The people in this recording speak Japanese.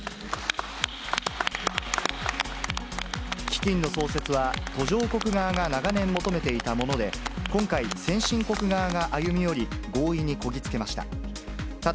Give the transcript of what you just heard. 基金の創設は途上国側が長年求めていたもので、今回、先進国側が歩みより、合意にこぎ着けました。